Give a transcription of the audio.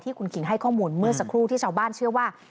คุณขิงให้ข้อมูลเมื่อสักครู่ที่ชาวบ้านเชื่อว่า